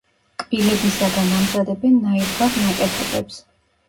კბილებისაგან ამზადებენ ნაირგვარ ნაკეთობებს.